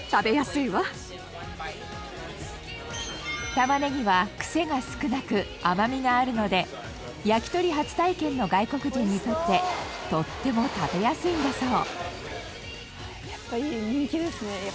玉ねぎはクセが少なく甘みがあるので焼き鳥初体験の外国人にとってとっても食べやすいんだそう。